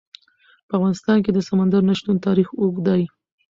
په افغانستان کې د سمندر نه شتون تاریخ اوږد دی.